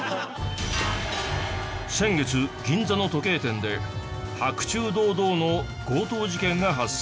先月銀座の時計店で白昼堂々の強盗事件が発生。